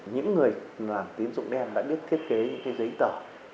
những người làm tiếng dụng đen đã biết thiết kế những cái giấy tờ